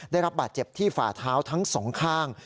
ได้รับบาดเจ็บที่ฝ่าเท้าทั้งสองข้าง